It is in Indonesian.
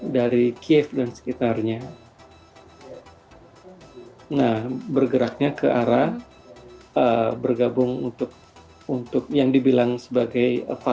dari kiev dan sekitarnya nah bergeraknya ke arah bergabung untuk untuk yang dibilang sebagai